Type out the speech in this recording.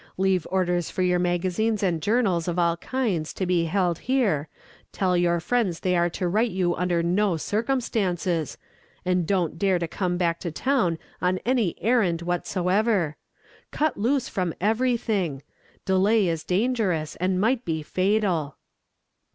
Leave orders for your magazines and journals of all kinds to be held here, tell your friends they are to write you under no circumstances, and don't dare to come back to town on any errand whatsoever. Cut loose from everything! Delay is dangerous, and might be fatal."